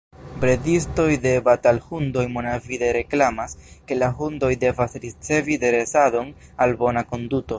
Bredistoj de batalhundoj monavide reklamas, ke la hundoj devas ricevi dresadon al bona konduto.